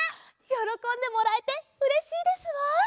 よろこんでもらえてうれしいですわ。